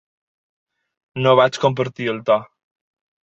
No vaig compartir el to.